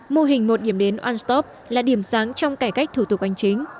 mô hình một điểm đến unstop là điểm sáng trong cải cách thủ tục an chính